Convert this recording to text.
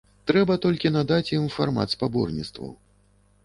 Трэба толькі надаць ім фармат спаборніцтваў.